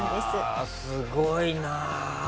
すごいな。